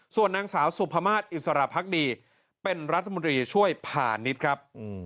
ส่วนนางสาวสุภามาศอิสระพักดีเป็นรัฐมนตรีช่วยพาณิชย์ครับ